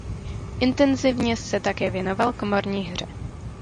Intenzivně se také věnoval komorní hře.